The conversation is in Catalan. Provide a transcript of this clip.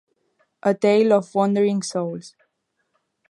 "A Tale of Wandering Souls".